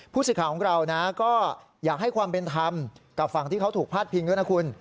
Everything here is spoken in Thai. ผู้สื่อข่าวของเรานะก็อยากให้ความเป็นธรรมกับฝั่งที่เขาถูกพาดพิงด้วยนะคุณ